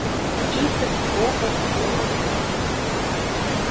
— Икыт, кокыт, кумыт...